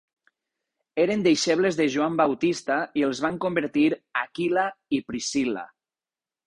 Eren deixebles de Joan Bautista i els van convertir Aquila i Priscilla.